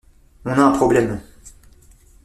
On a un problème.